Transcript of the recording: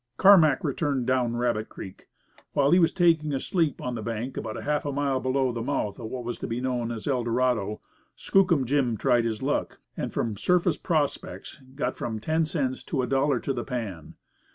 Carmack returned down Rabbit Creek. While he was taking a sleep on the bank about half a mile below the mouth of what was to be known as Eldorado, Skookum Jim tried his luck, and from surface prospects got from ten cents to a dollar to the pan.